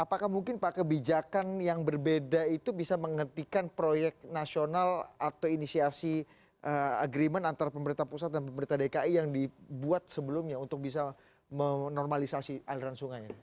apakah mungkin pak kebijakan yang berbeda itu bisa menghentikan proyek nasional atau inisiasi agreement antara pemerintah pusat dan pemerintah dki yang dibuat sebelumnya untuk bisa menormalisasi aliran sungai